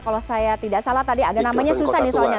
kalau saya tidak salah tadi agak namanya susah nih soalnya